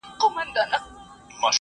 محمدابراهيم خواخوږى پرېشان